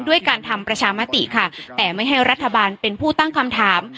ด้วยการทำประชามติค่ะแต่ไม่ให้รัฐบาลเป็นผู้ตั้งคำถาม